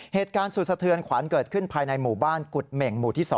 เหตุการณ์สุดสะเทือนขวัญเกิดขึ้นภายในหมู่บ้านกุฎเหม่งหมู่ที่๒